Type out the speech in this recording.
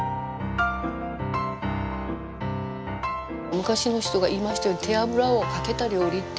昔の人が言いましたように「手脂をかけた料理」って言うんですよね。